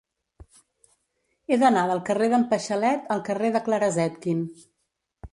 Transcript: He d'anar del carrer d'en Paixalet al carrer de Clara Zetkin.